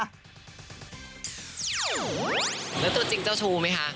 แล้วตัวจริงเจ้าชู้ไหมคะ